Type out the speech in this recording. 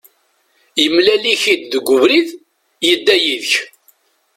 Yemlal-ik-id deg ubrid, yedda yid-k.